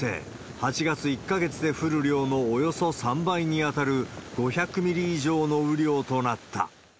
８月一か月で降る量のおよそ３倍に当たる、５００ミリ以上の雨量となった。